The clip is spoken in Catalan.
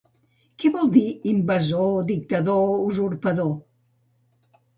¿Què vol dir invasor, dictador, usurpador?